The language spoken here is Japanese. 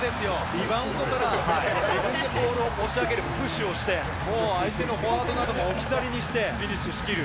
リバウンドから、自分でボールを持ち上げる、プッシュをして、もう相手のフォワードなども置き去りにして、フィニッシュしきる。